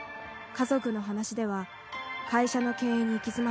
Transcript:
家族の話では会社の経営に行き詰まり